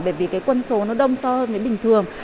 bởi vì cái quân số nó đông so với bình thường